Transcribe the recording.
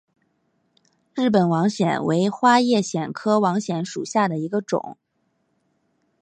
日本网藓为花叶藓科网藓属下的一个种。